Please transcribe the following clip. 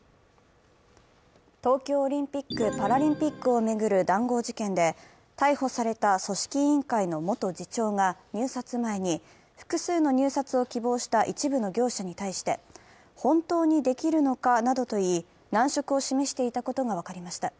東京オリンピック・パラリンピックを巡る談合事件で、逮捕された組織委員会の元次長が入札前に複数の入札を希望した一部の業者に対して本当にできるのかなどと言い難色を示していたことが分かりました。